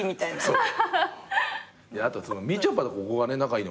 そう。